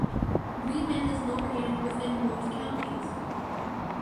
Bremen is located within both counties.